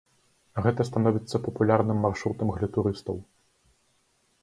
Гэта становіцца папулярным маршрутам для турыстаў.